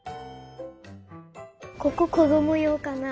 こここどもようかな？